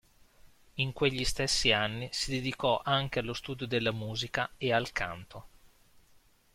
In quegli stessi anni si dedicò anche allo studio della musica e al canto.